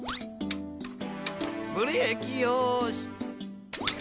ブレーキよし。